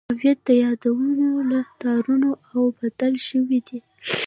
هویت د یادونو له تارونو اوبدل شوی دی.